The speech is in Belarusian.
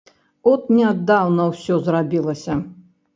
От нядаўна ўсё зрабілася.